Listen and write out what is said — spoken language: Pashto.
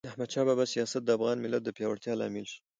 د احمد شاه بابا سیاست د افغان ملت د پیاوړتیا لامل سو.